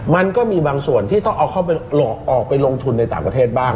มันก็มีบางส่วนที่ต้องเอาเข้าไปลงทุนในต่างประเทศบ้าง